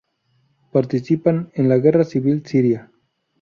Participan en la guerra civil siria.